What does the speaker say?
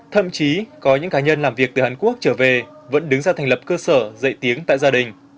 thậm chí có những cá nhân làm việc từ hàn quốc trở về vẫn đứng ra thành lập cơ sở dạy tiếng tại gia đình